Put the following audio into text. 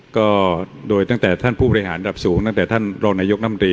ก็โดยตั้งแต่ท่านผู้บริหารดับสูงตั้งแต่ท่านรองนายกรรมตรี